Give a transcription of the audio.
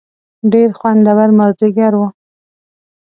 ډېر خوندور مازیګر و.